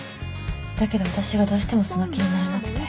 だけど私がどうしてもその気になれなくて。